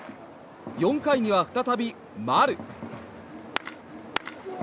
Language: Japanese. ４回には再び丸！